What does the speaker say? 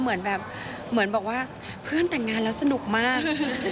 เหมือนแบบเหมือนบอกว่าเพื่อนแต่งงานแล้วสนุกมาก